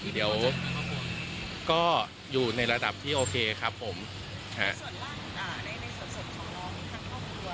เดี๋ยวก็อยู่ในระดับที่โอเคครับผมฮะส่วนล่างอ่าในในส่วนสมของน้อง